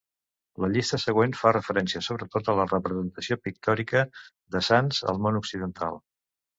La llista següent fa referència sobretot a la representació pictòrica de sants al món occidental.